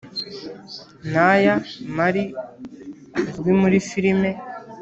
Naya Mari uzwi muri filime